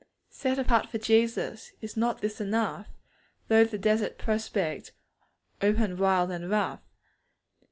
Set apart for Jesus! Is not this enough, Though the desert prospect Open wild and rough?